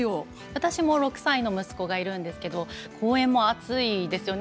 私も６歳の息子がいるんですけど公園も熱いですよね